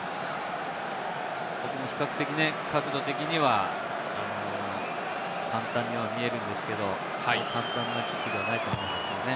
比較的、角度的には簡単には見えるんですけれど、簡単なキックではないと思いますけれどもね。